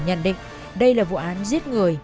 nhận định đây là vụ án giết người